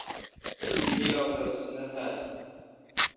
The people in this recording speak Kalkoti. می اودس نہ تھال۔